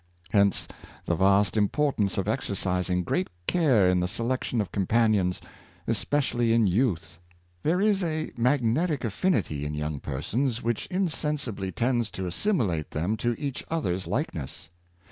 Hence the vast importance of exercising great care in the selection of companions, especially in youth. There is a magnetic affinity in young persons which insensibly tends to assimilate them to each other's likeness.